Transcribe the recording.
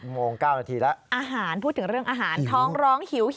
โมง๙นาทีแล้วอาหารพูดถึงเรื่องอาหารท้องร้องหิว